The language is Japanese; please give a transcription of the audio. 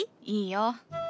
いいよ。